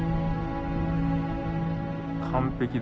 完璧だ。